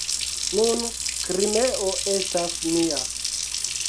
Nun Krimeo estas nia.